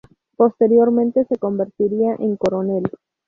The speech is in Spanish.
Posteriormente se convertiría en Coronel.